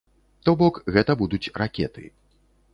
То бок, гэта будуць ракеты.